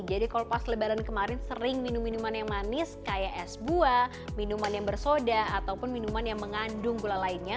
jadi kalau pas lebaran kemarin sering minum minuman yang manis kayak es buah minuman yang bersoda ataupun minuman yang mengandung gula lainnya